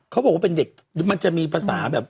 เขาบอกว่าเป็นเด็กมันจะมีภาษาแบบ